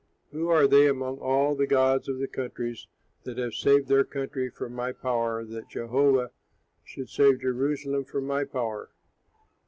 Who are they among all the gods of the countries, that have saved their country from my power, that Jehovah should save Jerusalem from my power?'"